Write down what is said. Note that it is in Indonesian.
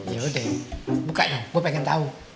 yaudah bukannya gue pengen tahu